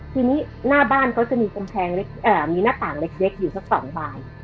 ทีนี้หน้าบ้านเขาจะมีกำแพงมีหน้าต่างเล็กอยู่สัก๒บาน